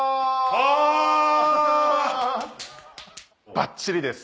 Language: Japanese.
ばっちりです。